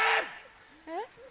えっ？